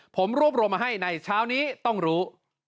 ผมรวบรวมมาให้ในเช้านี้ต้องรู้